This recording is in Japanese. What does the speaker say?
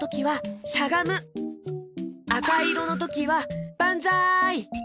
あかいろのときはばんざい！